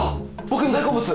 僕の大好物。